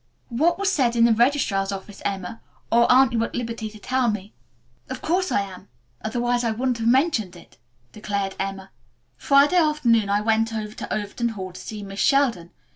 "What was said in the registrar's office, Emma, or aren't you at liberty to tell me?" "Of course I am, otherwise I wouldn't have mentioned it," declared Emma. "Friday afternoon I went over to Overton Hall to see Miss Sheldon.